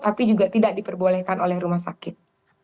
tapi juga tidak diperbolehkan oleh rumah sakit